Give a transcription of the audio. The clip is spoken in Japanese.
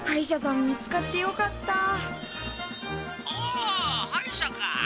☎お歯医者か。